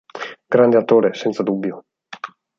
Grande attore, senza dubbio.